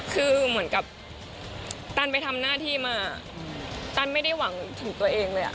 คือเหมือนกับตันไปทำหน้าที่มาตันไม่ได้หวังถึงตัวเองเลย